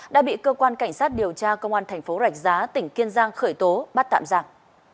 đã bị cơ quan cảnh sát điều tra công an thành phố rạch giá tỉnh kiên giang khởi tố bắt tạm giặc